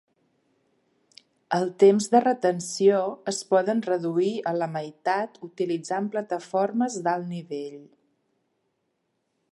El temps de retenció es poden reduir a la meitat utilitzant plataformes d'alt nivell.